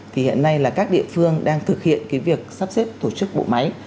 đặc biệt là các địa phương đang thực hiện cái việc sắp xếp tổ chức bộ máy